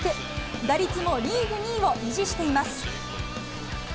打率のリーグ２位を維持しています。